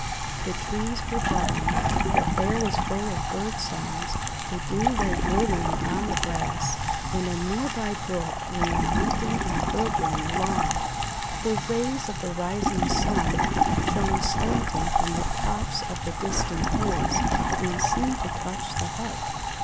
The trees were budding, the air was full of bird songs, the dew lay glittering on the grass, and a near by brook ran leaping and gurgling along. The rays of the rising Sun shone slanting from the tops of the distant hills, and seemed to touch the hut.